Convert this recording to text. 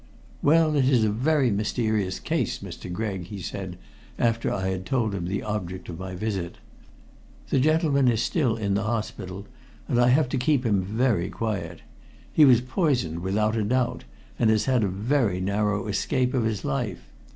"Well, it is a very mysterious case, Mr. Gregg," he said, after I had told him the object of my visit. "The gentleman is still in the hospital, and I have to keep him very quiet. He was poisoned without a doubt, and has had a very narrow escape of his life.